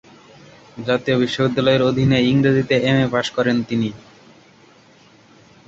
জাতীয় বিশ্ববিদ্যালয়ের অধীনে ইংরেজিতে এমএ পাস করেন।